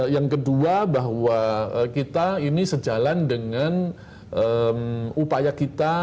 yang kedua bahwa kita ini sejalan dengan upaya kita